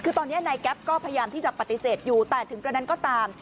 คือตอนนี้นายแก๊ปก็พยายามที่จะปฏิเสธอยู่แต่ถึงกระนั้นก็ตาม